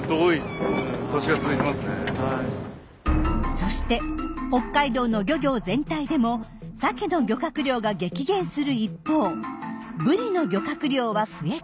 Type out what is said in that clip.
そして北海道の漁業全体でもサケの漁獲量が激減する一方ブリの漁獲量は増え続け